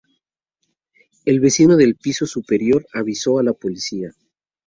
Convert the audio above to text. El vecino del piso superior avisó a la policía.